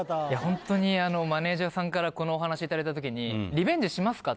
ホントにマネージャーさんからこのお話いただいた時にリベンジしますか？